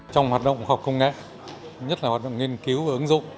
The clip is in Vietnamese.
trong hoạt động khoa học công nghệ nhất là hoạt động nghiên cứu và ứng dụng